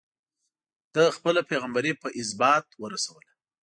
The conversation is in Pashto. ده خپله پيغمبري په ازبات ورسوله.